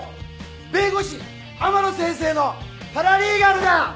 弁護士天野先生のパラリーガルだ！